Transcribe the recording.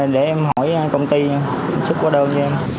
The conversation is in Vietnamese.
dạ để em hỏi công ty xuất quán đơn cho em